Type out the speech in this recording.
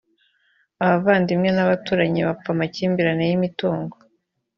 abavandimwe n’abaturanyi bapfa amakimbirane y’imitungo